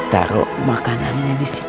taruh makanannya disitu